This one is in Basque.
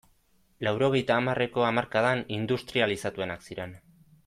Laurogeita hamarreko hamarkadan industrializatuenak ziren.